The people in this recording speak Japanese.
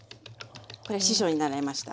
これ師匠に習いました。